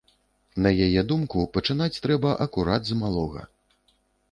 На яе думку, пачынаць трэба акурат з малога.